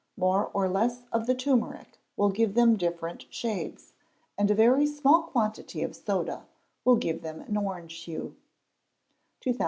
More or less of the turmeric will give them different shades, and a very small quantity of soda will give them an orange hue.